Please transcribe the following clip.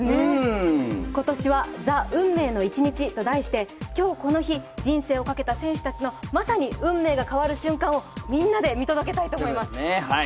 今年は「ＴＨＥ運命の１日」と題して今日この日、人生をかけた選手たちのまさに運命が変わる瞬間をみんなで見届けたいと思います。